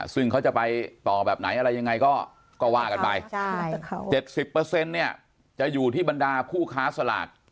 ซึ่งเขาจะไปต่อแบบไหนอะไรยังไงก็ว่ากันไป๗๐เนี่ยจะอยู่ที่บรรดาผู้ค้าสลาก